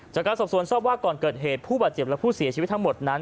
จากการสอบสวนทราบว่าก่อนเกิดเหตุผู้บาดเจ็บและผู้เสียชีวิตทั้งหมดนั้น